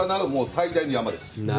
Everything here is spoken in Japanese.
最大の山です。